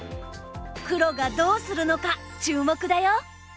黒がどうするのか注目だよ。